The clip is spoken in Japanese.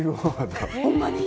ほんまに？